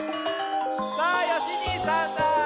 あよしにいさんだ。